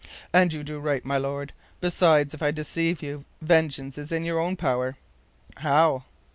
"And you do right, my Lord. Besides, if I deceive you, vengeance is in your own power." "How?"